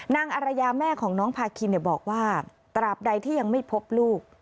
นางอารยาแม่ของน้องพาคินบอกว่าตราบใดที่ยังไม่พบลูก